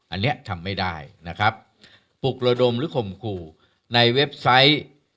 อันนี้ทำไม่ได้นะครับปลุกระดมหรือข่มขู่ในเว็บไซต์